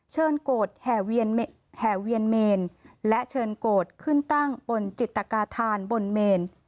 โกรธแห่เวียนเมนและเชิญโกรธขึ้นตั้งบนจิตกาธานบนเมน